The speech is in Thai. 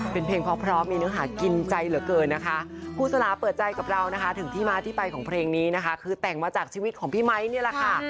เป็นเพลงพร้อมมีเนื้อหากินใจเหลือเกินนะคะครูสลาเปิดใจกับเรานะคะถึงที่มาที่ไปของเพลงนี้นะคะคือแต่งมาจากชีวิตของพี่ไมค์นี่แหละค่ะ